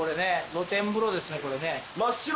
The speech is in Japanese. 露天風呂ですねこれね。